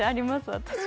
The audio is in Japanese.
私。